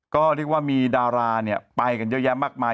ก็เรียกว่ามีดาราไปกันเยอะแยะมากมาย